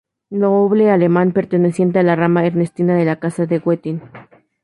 Noble alemán perteneciente a la rama ernestina de la Casa de Wettin.